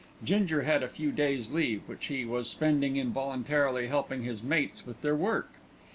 Ginger had a few days' leave, which he was spending in voluntarily helping his mates with their work.